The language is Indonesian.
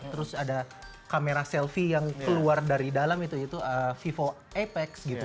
terus ada kamera selfie yang keluar dari dalam itu yaitu vivo apex gitu